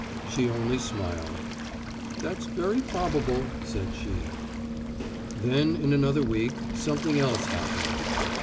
She only smiled. "That's very probable," said she. Then, in another week, something else happened.